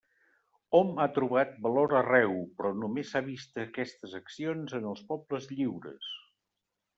Hom ha trobat valor arreu, però només s'ha vist aquestes accions en els pobles lliures.